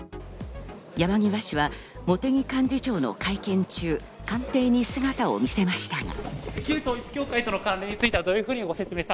山際氏は茂木幹事長の会見中、官邸に姿を見せましたが。